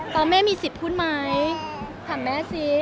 แม่มีสิทธิ์พูดไหมถามแม่สิ